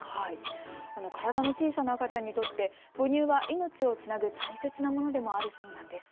体の小さな赤ちゃんにとって、母乳は命をつなぐ大切なものでもあるそうなんです。